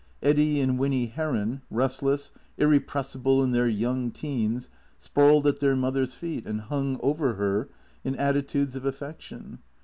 Eddy and Winny Heron, restless, irrepressible in their young teens, sprawled at their mother's feet and hung over her in attitudes of affection.